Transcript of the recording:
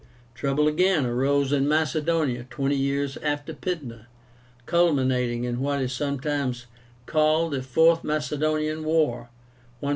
Trouble again arose in Macedonia twenty years after Pydna, culminating in what is sometimes called the FOURTH MACEDONIAN WAR (149 146).